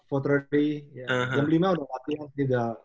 jam lima udah latihan tidur